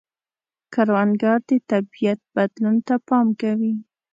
کروندګر د طبیعت بدلون ته پام کوي